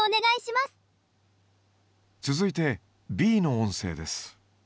続いてＢの音声です。